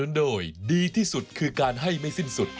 สนับสนุนโดยดีที่สุดคือการให้ไม่สิ้นสุด